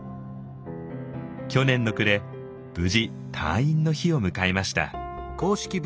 去年の暮れ無事退院の日を迎えました。